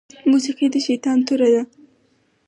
موسيقي د شيطان توره ده